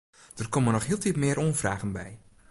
Der komme noch hieltyd mear oanfragen by.